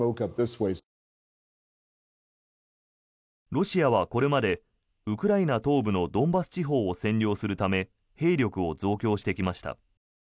ロシアはこれまでウクライナ東部のドンバス地方を占領するため兵力を増強してきました。